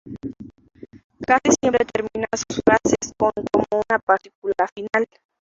Casi siempre termina sus frases con como una partícula final.